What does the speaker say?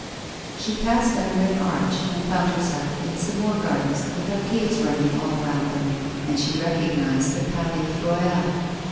She passed under an arch, and found herself in some more gardens with arcades running all roimd them, and she recognised the Palais Royal.